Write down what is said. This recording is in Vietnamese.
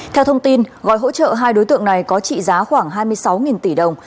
theo thông tin gói hỗ trợ hai đối tượng này có trị giá khoảng hai mươi sáu tỷ đồng